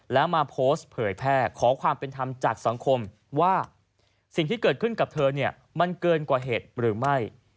แล้วมาโพสต์เผยแพร่ขอความเป็นธรรมจากสังคมว่าสิ่งที่เกิดขึ้นกับเธอเนี่ยมันเกินกว่าเหตุหรือไม่